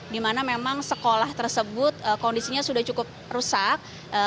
di mana memang sekolah tersebut kondisinya sudah cukup rusak